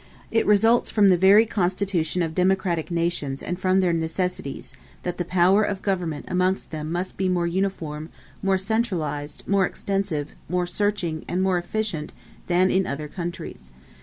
It results from the very constitution of democratic nations and from their necessities, that the power of government amongst them must be more uniform, more centralized, more extensive, more searching, and more efficient than in other countries.